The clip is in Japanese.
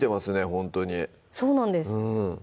ほんとにそうなんです